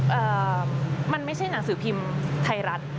เอ่อมันไม่ใช่หนังสือพิมพ์ไทยรัฐ